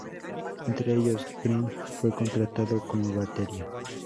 Entre ellos, Gregg fue contratado como batería.